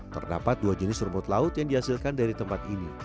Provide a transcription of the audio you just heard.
terdapat dua jenis rumput laut yang dihasilkan dari tempat ini